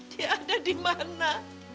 dia ada di mana